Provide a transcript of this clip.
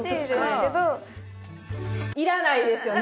いらないですよね！